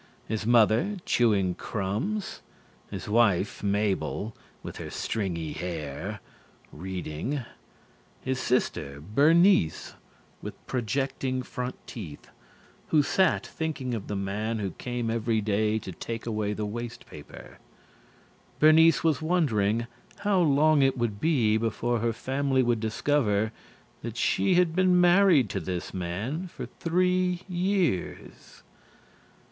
His mother, chewing crumbs. His wife Mabel, with her stringy hair, reading. His sister Bernice, with projecting front teeth, who sat thinking of the man who came every day to take away the waste paper. Bernice was wondering how long it would be before her family would discover that she had been married to this man for three years.